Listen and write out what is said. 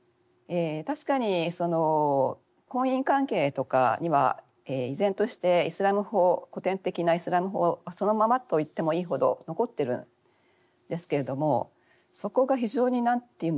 確かに婚姻関係とかには依然としてイスラーム法古典的なイスラーム法そのままと言ってもいいほど残っているんですけれどもそこが非常に何て言うんですかね